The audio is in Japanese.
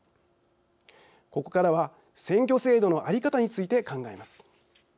ここからは選挙制度の在り方について考えます。